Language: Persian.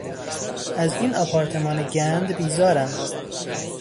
از این آپارتمان گند بیزارم.